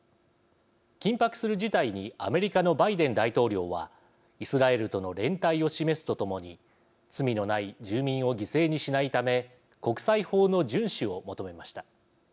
緊迫する事態にアメリカのバイデン大統領はイスラエルとの連帯を示すとともに罪のない住民を犠牲にしないため国際法の順守を求めました。